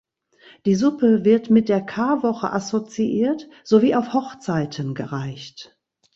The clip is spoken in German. Die Suppe wird mit der Karwoche assoziiert sowie auf Hochzeiten gereicht.